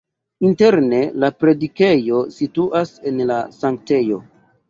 Interne la predikejo situas en la sanktejo.